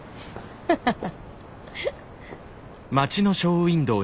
ハハハ！